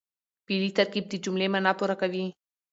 فعلي ترکیب د جملې مانا پوره کوي.